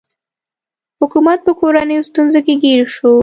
حکومت په کورنیو ستونزو کې ګیر شو.